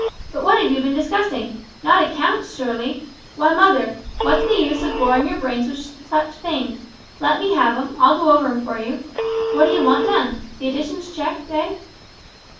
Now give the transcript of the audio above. But what have you been discussing? Not accounts, surely! Why, mother, what's the use of boring your brains with such things? Let me have 'em, I'll go over them for you. What d'you want done? The additions checked, eh?"